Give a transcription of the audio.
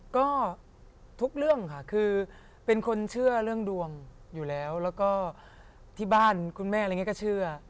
ก็ทุกเรื่องค่ะคือเป็นคนเชื่อเรื่องดวงอยู่แล้วแล้วก็ที่บ้านคุณแม่อะไรอย่างนี้ก็เชื่อ